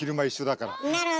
なるほど！